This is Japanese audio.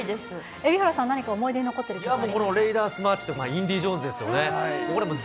蛯原さん、何か思い出に残っている曲ありますか？